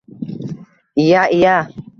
— Iya-iya...